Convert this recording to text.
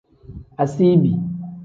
Asiibi.